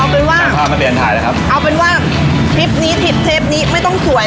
เอาเป็นว่าจากที่เราถ่ายนะครับเอาเป็นว่าคิดที่ไทป์นี้ไม่ต้องหรอก